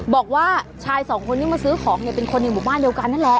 บอกว่าชายสองคนที่มาซื้อของเนี่ยเป็นคนในหมู่บ้านเดียวกันนั่นแหละ